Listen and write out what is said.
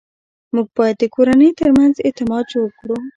موږ باید د کورنۍ ترمنځ اعتماد جوړ کړو